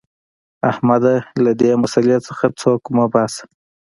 احمده! له دې مسئلې څخه سوک مه باسه.